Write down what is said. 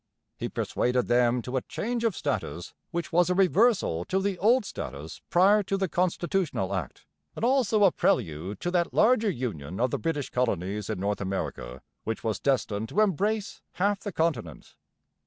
He persuaded them to a change of status which was a reversal to the old status prior to the Constitutional Act, and also a prelude to that larger union of the British colonies in North America which was destined to embrace half the continent.